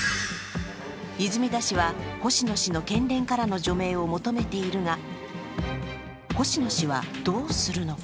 泉田氏は星野氏の県連からの除名を求めているが、星野氏は、どうするのか。